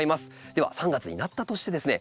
では３月になったとしてですね